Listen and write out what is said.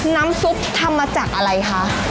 น้ำซุปทำมาจากอะไรคะ